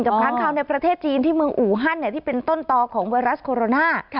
ค้างคาวในประเทศจีนที่เมืองอูฮันที่เป็นต้นตอของไวรัสโคโรนา